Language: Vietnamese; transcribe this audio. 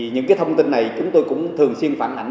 những thông tin này chúng tôi cũng thường xuyên phản ảnh